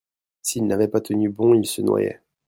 s'il n'avait pas tenu bon il se noyait.